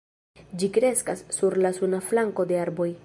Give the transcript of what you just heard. Ĝi kreskas sur la suna flanko de arboj.